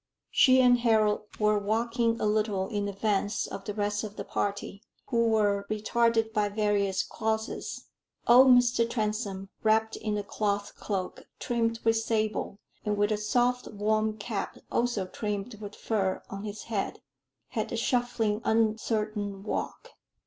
She and Harold were walking a little in advance of the rest of the party, who were retarded by various causes. Old Mr. Transome, wrapped in a cloth cloak trimmed with sable, and with a soft warm cap also trimmed with fur on his head, had a shuffling uncertain walk.